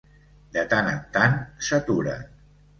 De tant en tant s'aturen.